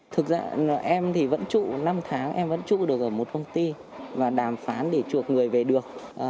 thực ra em thì vẫn trụ năm tháng em vẫn trụ được ở một công ty và đàm phán để chuộc người về được